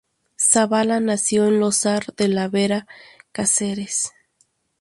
Zabala nació en Losar de la Vera, Cáceres.